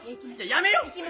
やめよう。